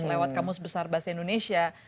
lewat kamus besar bahasa indonesia